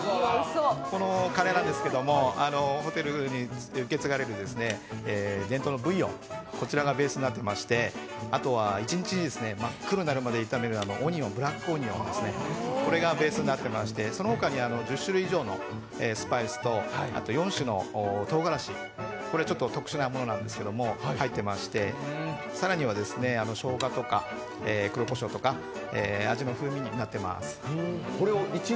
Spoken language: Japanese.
このカレーなんですけれどもホテルに受け継がれる伝統のブイヨンこちらがベースになっていまして、一日真っ黒になるまで炒めるブラックオニオンですね、これがベースになっていまして、その他に１０種類以上の香辛料、４種のとうがらし、これちょっと特殊なものなんですけど、入ってまして更にはですね、しょうがとか黒こしょうとか味の風味になっています。